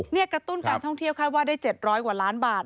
นี่กระตุ้นการท่องเที่ยวคาดว่าได้๗๐๐กว่าล้านบาท